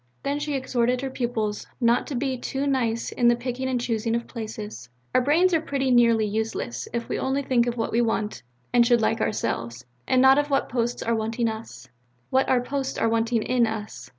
Then she exhorted her pupils not to be too nice in the picking and choosing of places. "Our brains are pretty nearly useless, if we only think of what we want and should like ourselves; and not of what posts are wanting us, what our posts are wanting in us.